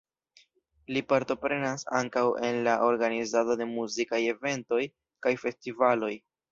Li partoprenas ankaŭ en la organizado de muzikaj eventoj kaj festivaloj.